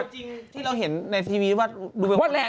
จริงที่เราเห็นในทีวีว่าดูเป็นคนแรก